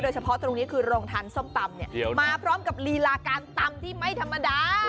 เฉพาะตรงนี้คือโรงทานส้มตำเนี่ยมาพร้อมกับลีลาการตำที่ไม่ธรรมดา